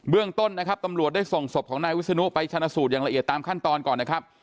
เรื่องต้นนะครับตำรวจได้ส่งศพของนายวิศนุไปชนะสูตรอย่างละเอียดตามขั้นตอนก่อนนะครับ